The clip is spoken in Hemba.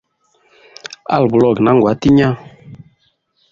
Ali buloge na ngwa tinya.